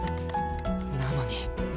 なのに